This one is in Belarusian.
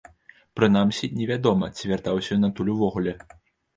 Прынамсі, не вядома, ці вяртаўся ён адтуль увогуле.